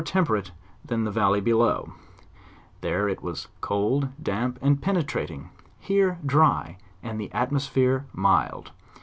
2C5 temperate than the valley below; there it was cold damp and penetrating; here dry, and the atmosphere mild.